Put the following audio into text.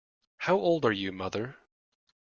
How old are you, mother.